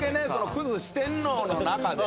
クズ四天王の中で。